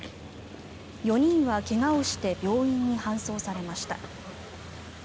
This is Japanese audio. ４人は怪我をして病院に搬送されました。